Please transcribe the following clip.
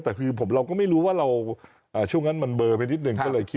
แต่คือผมเราก็ไม่รู้ว่าเราช่วงนั้นมันเบ่อไปนิดนึง